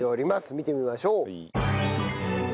見てみましょう。